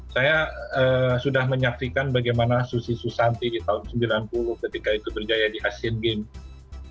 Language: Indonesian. saya sudah menyaksikan bagaimana susi susanti di tahun sembilan puluh ketika itu berjaya di asian games